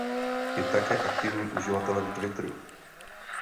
Je také aktivním uživatelem Twitteru.